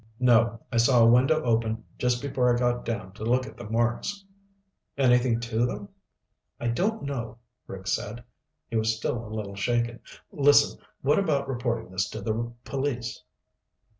"No. I saw a window open just before I got down to look at the marks." "Anything to them?" "I don't know," Rick said. He was still a little shaken. "Listen, what about reporting this to the police?"